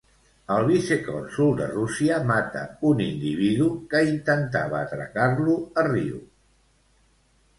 El vicecònsol de Rússia mata un individu que intentava atracar-lo a Rio.